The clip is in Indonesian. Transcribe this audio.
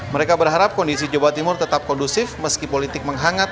mereka berharap kondisi jawa timur tetap kondusif meski politik menghangat